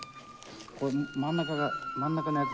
ここ真ん中が真ん中のやつ